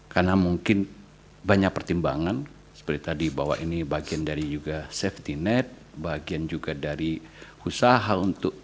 karena mungkin banyak pertimbangan seperti tadi bahwa ini bagian dari safety net bagian juga dari usaha untuk